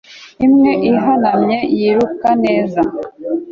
Imwe ihanamye yiruka neza